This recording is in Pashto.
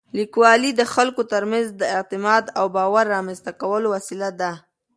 لیکوالی د خلکو تر منځ د اعتماد او باور رامنځته کولو وسیله ده.